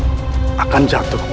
dan anakmu akan jatuh ke bukanku